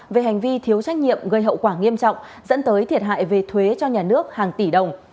về hành vi thiếu trách nhiệm gây hậu quả nghiêm trọng dẫn tới thiệt hại về thuế cho nhà nước hàng tỷ đồng